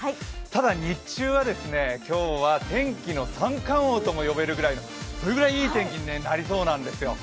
ただ、日中は今日は天気の三冠王とも呼べるくらいそれぐらいいい天気になりそうなんですよ。